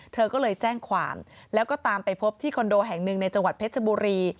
เธอก็เลยแจ้งความแล้วก็ตามไปพบที่คอนโดแห่งหนึ่งในจังหวัดเพชรบุรี